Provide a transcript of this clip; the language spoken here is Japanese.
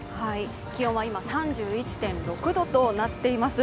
気温は今３１．６度となっています。